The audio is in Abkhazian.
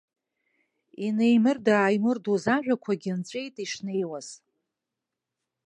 Инеимырда-ааимырдоз ажәақәагьы нҵәеит ишнеиуаз.